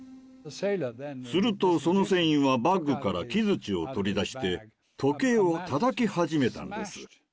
するとその船員はバッグから木づちを取り出して時計を叩き始めたんです。